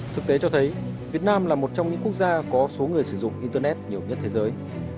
thực tế cho thấy việt nam là một trong những quốc gia có số người sử dụng internet nhiều nhất thế giới